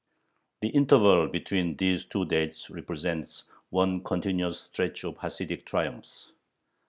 The interval between these two dates represents one continuous stretch of Hasidic triumphs.